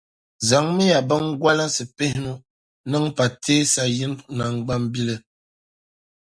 Zaŋmiya biŋgolinsi pihinu niŋ pateesa yini naŋgbambili.